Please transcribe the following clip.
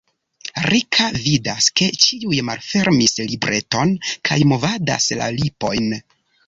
Rika vidas, ke ĉiuj malfermis libreton kaj movadas la lipojn.